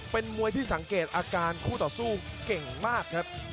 เป็นมวยที่สังเกตอาการคู่ต่อสู้เก่งมากครับ